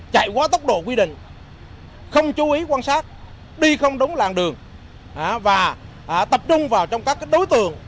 chạy qua tốc độ quy định không chú ý quan sát đi không đúng làng đường